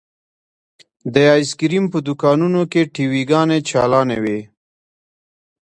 د ايسکريم په دوکانونو کښې ټي وي ګانې چالانې وې.